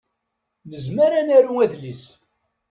Nezmer ad naru adlis.